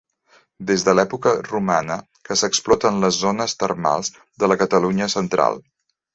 Des de l'època romana que s'exploten les zones termals de la Catalunya Central.